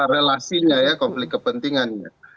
relasinya ya konflik kepentingannya